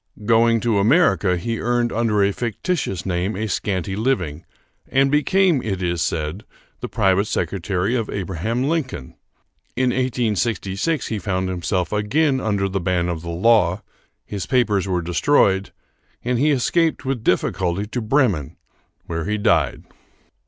Going to America, he earned under a fictitious name a scanty living, and became, it is said, the private secretary of Abraham Lincoln. In 1866 he found himself again under the ban of the law, his papers were destroyed, and he escaped with difficulty to Bremen, where he died.